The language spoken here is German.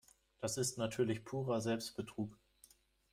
Das ist natürlich purer Selbstbetrug.